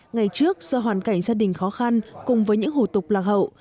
ngày trước do hoàn cảnh gia đình khó khăn cùng với những hủ tục lạc hậu